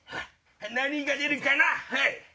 何が出るかなっ？